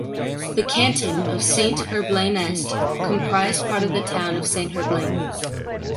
The canton of Saint-Herblain-Est comprised part of the town of Saint-Herblain.